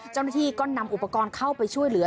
เจ้าหน้าที่ก็นำอุปกรณ์เข้าไปช่วยเหลือ